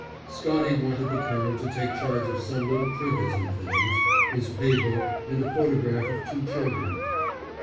Scottie wanted the colonel to take charge of some little trinkets and things: his pay book, and a photograph of two children.